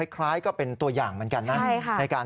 คล้ายก็เป็นตัวอย่างเหมือนกันนะ